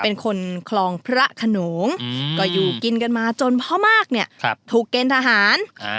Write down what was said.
เป็นคนคลองพระขนงก็อยู่กินกันมาจนพ่อมากเนี่ยถูกเกณฑ์ทหาร